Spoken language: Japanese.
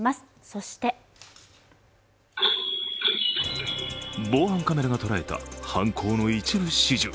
そして防犯カメラが捉えた犯行の一部始終。